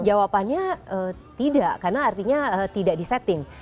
jawabannya tidak karena artinya tidak di setting